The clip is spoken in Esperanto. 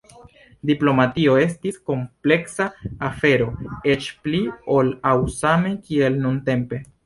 Diplomatio estis kompleksa afero, eĉ pli ol aŭ same kiel nuntempe.